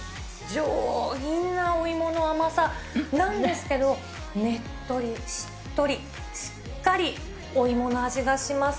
上品なお芋の甘さ、なんですけれども、ねっとり、しっとり、しっかりお芋の味がします。